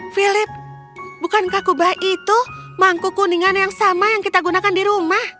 philip bukankah kubah itu mangkuk kuningan yang sama yang kita gunakan di rumah